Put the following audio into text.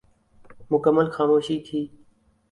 مکمل خاموشی تھی ۔